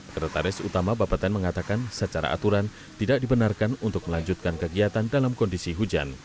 sekretaris utama bapak ten mengatakan secara aturan tidak dibenarkan untuk melanjutkan kegiatan dalam kondisi hujan